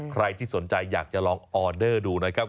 ใครที่สนใจอยากจะลองออเดอร์ดูนะครับ